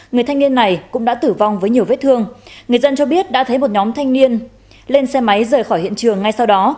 người thanh niên này cũng đã tử vong với nhiều vết thương người dân cho biết đã thấy một nhóm thanh niên lên xe máy rời khỏi hiện trường ngay sau đó